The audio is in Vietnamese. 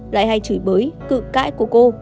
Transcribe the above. lại hay chửi bới cự cãi của cô